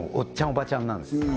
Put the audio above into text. おばちゃんなんです